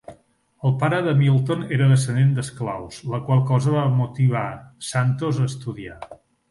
El pare de Milton era descendent d'esclaus, la qual cosa va motivar Santos a estudiar.